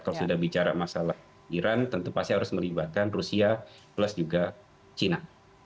kalau sudah bicara masalah iran tentu pasti harus melibatkan rusia plus juga cina